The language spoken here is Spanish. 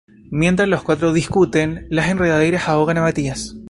Mientras los cuatro discuten, las enredaderas ahogan a Mathias.